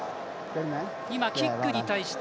今、キックに対して。